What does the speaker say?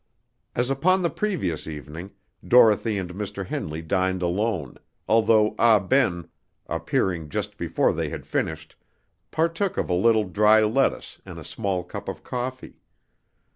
As upon the previous evening, Dorothy and Mr. Henley dined alone, although Ah Ben, appearing just before they had finished, partook of a little dry lettuce and a small cup of coffee.